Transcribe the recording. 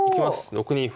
６二歩。